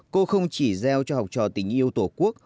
cô không chỉ gieo cho học trò tình yêu tổ quốc